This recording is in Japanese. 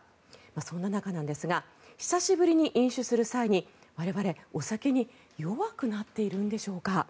そんな中ですが久しぶりに飲酒する際に我々、お酒に弱くなっているんでしょうか。